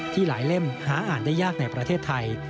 หลายเล่มหาอ่านได้ยากในประเทศไทย